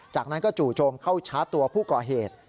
จากนั้นก็จู่โจมเข้าชาร์จตัวผู้ก่อเหตุ